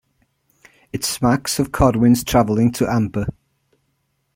It smacks of Corwin's traveling to Amber.